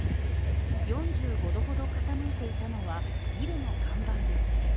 ４５度ほど傾いていたのはビルの看板です。